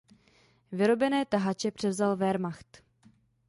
Vyrobené tahače převzal Wehrmacht.